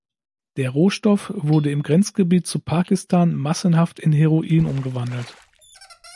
Der Rohstoff wurde im Grenzgebiet zu Pakistan massenhaft in Heroin umgewandelt.